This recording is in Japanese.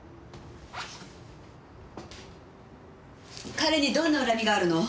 彼にどんな恨みがあるの？